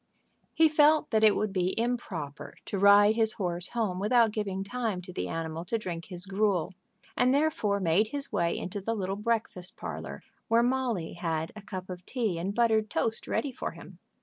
He felt that it would be improper to ride his horse home without giving time to the animal to drink his gruel, and therefore made his way into the little breakfast parlor, where Molly had a cup of tea and buttered toast ready for him.